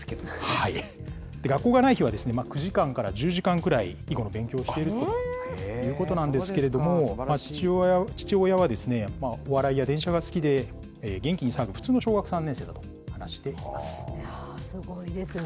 学校がない日は、９時間から１０時間くらい、囲碁の勉強をしているということなんですけれども、父親は、お笑いや電車が好きで、元気に騒ぐ普通の小学３年生すごいですね。